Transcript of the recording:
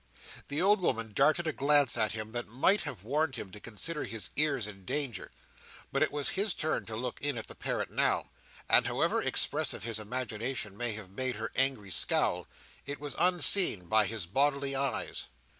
The old woman darted a glance at him that might have warned him to consider his ears in danger, but it was his turn to look in at the parrot now, and however expressive his imagination may have made her angry scowl, it was unseen by his bodily eyes.